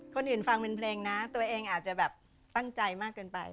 คนอื่นฟังเป็นเพลงนะตัวเองอาจจะแบบตั้งใจมากเกินไป